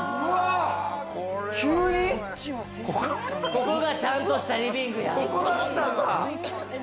ここがちゃんとしたリビングや！